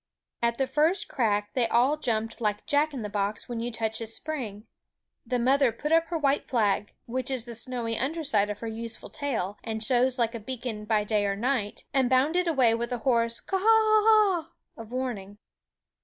At the first crack they all jumped like Jack in a box when you touch his spring. The mother put up her white flag which is the snowy under side of her useful tail, and shows like a bea con by day or night and bounded away with a hoarse Ka a a a h ! of warning.